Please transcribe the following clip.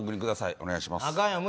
お願いします。